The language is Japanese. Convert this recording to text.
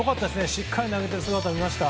しっかり投げてる姿を見ました。